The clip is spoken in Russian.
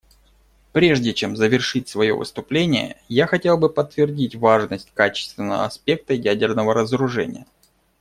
Прежде чем завершить свое выступление, я хотел бы подтвердить важность качественного аспекта ядерного разоружения.